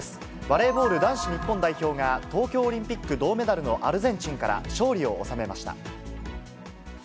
バレーボール男子日本代表が、東京オリンピック銅メダルのアルゼンチンから勝利を収めました。